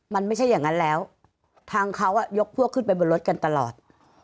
มันไม่ใช่อย่างนั้นแล้วทางเขายกพวกขึ้นไปบนรถกันตลอด